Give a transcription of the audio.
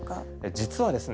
実はですね